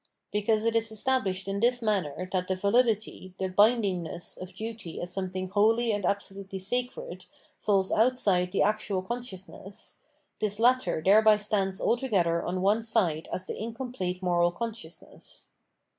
Because it is established in this manner that the validity, the bindingness, of duty as something whoUy and absolutely sacred, falls outside the actual conscious ness, this latter thereby stands altogether on one side as the incomplete moral consciousness.